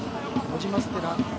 ノジマステラ